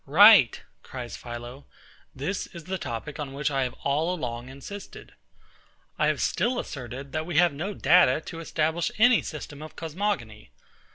Right, cries PHILO: This is the topic on which I have all along insisted. I have still asserted, that we have no data to establish any system of cosmogony.